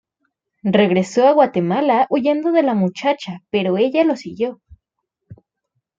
Regresó a Guatemala huyendo de la muchacha, pero ella lo siguió.